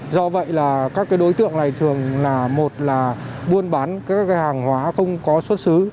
do vậy các đối tượng này thường là một là buôn bán hàng hóa không có xuất xứ